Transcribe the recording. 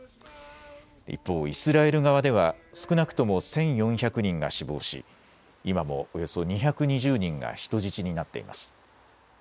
一方、イスラエル側では少なくとも１４００人が死亡し今もおよそ２２０人が人質になっています。